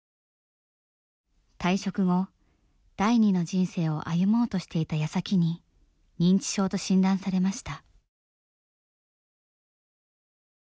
退職後第二の人生を歩もうとしていたやさきに認知症と診断されました。